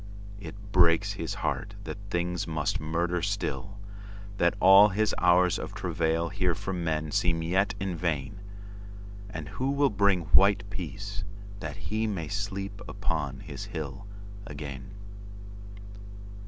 It breaks his heart that things must murder still, That all his hours of travail here for menSeem yet in vain. And who will bring white peaceThat he may sleep upon his hill again?